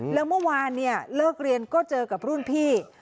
แล้วเมื่อวานเนี่ยเลิกเรียนก็เจอกับรุ่นพี่